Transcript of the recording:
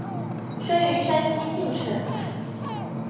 生于山西晋城。